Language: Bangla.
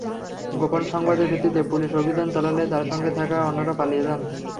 গোপন সংবাদের ভিত্তিতে পুলিশ অভিযান চালালে তাঁর সঙ্গে থাকা অন্যরা পালিয়ে যান।